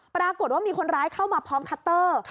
ปรากฏว่ามีคนร้ายเข้ามาพร้อมคัตเตอร์